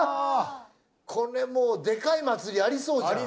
これもうでかい祭りありそうじゃん。